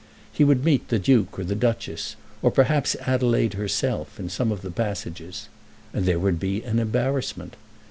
He would meet the Duke or the Duchess, or perhaps Adelaide herself, in some of the passages, and there would be an embarrassment.